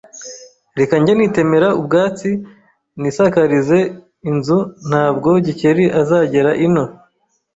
Reka njye nitemera ubwatsi nisakarize inzuntabwo Gikeli azagera ino